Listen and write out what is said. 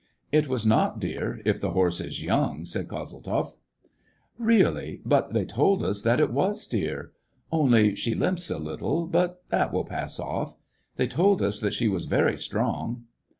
" It was not dear, if the horse is young," said Kozeltzoff. 140 SEVASTOPOL IN AUGUST. " Really ! but they told us that it was dear. Only, she limps a little, but that will pass off. They told us that she was very strong."